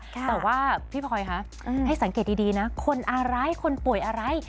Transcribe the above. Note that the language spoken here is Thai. แต่ว่าพี่พลอยคะให้สังเกตดีนะคนอะไรคนป่วยอะไร